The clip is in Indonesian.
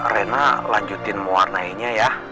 reyna lanjutin muarnainya ya